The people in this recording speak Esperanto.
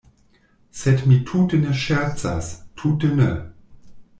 Sed mi tute ne ŝercas, tute ne.